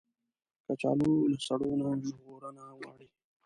کچالو له سړو نه ژغورنه غواړي